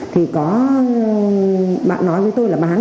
thì có bạn nói với tôi là bán